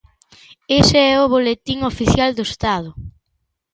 Ese é o Boletín Oficial do Estado.